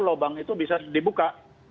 lubang itu bisa dibuka